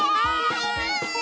はい。